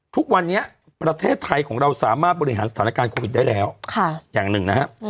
ทุกวันนี้ประเทศไทยของเราสามารถบริหารสถานการณ์โควิดได้แล้วอย่างหนึ่งนะครับ